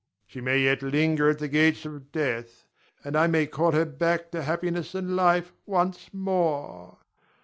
She may yet linger at the gates of death, and I may call her back to happiness and life once more.